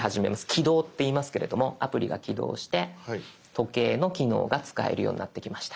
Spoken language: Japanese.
起動っていいますけれどもアプリが起動して時計の機能が使えるようになってきました。